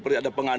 baru tadi malam